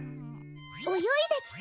泳いできた。